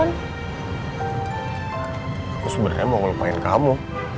aku sebenarnya mau ngelupain kamu